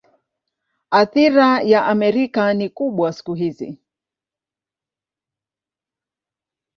Athira ya Amerika ni kubwa siku hizi.